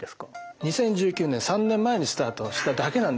２０１９年３年前にスタートしただけなんですよまだ。